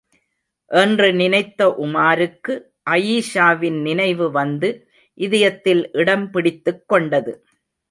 என்று நினைத்த உமாருக்கு, அயீஷாவின் நினைவு வந்து இதயத்தில் இடம் பிடித்துக் கொண்டது.